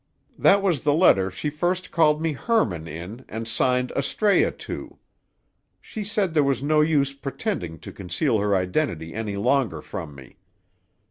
That was the letter she first called me Hermann in and signed Astræa to. Said there was no use pretending to conceal her identity any longer from me.